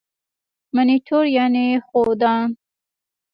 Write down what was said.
منیټور یعني ښودان.